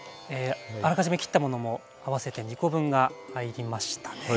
あらかじめ切ったものも合わせて２コ分が入りましたね。